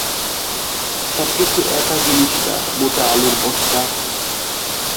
সবকিছু একা গিলিস না, মোটা আলুর বস্তা।